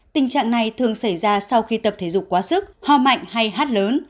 tình trạng này thường xảy ra sau khi tập thể dục quá sức ho mạnh hay hát lớn